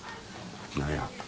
何や？